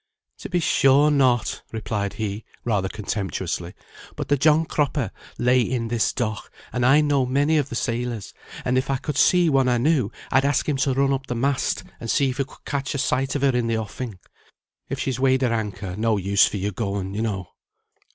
"To be sure not," replied he, rather contemptuously. "But the John Cropper lay in this dock, and I know many of the sailors; and if I could see one I knew, I'd ask him to run up the mast, and see if he could catch a sight of her in the offing. If she's weighed her anchor no use for your going, you know."